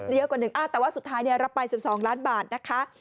๕เดียวกว่า๑แต่ว่าสุดท้ายเนี่ยรับไป๑๒ล้านบาทนะคะ